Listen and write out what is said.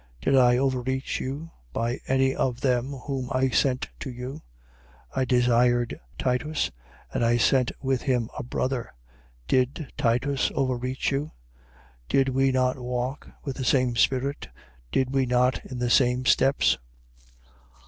12:17. Did I overreach you by any of them whom I sent to you? 12:18. I desired Titus: and I sent with him a brother. Did Titus overreach you? Did we not walk with the same spirit? Did we not in the same steps?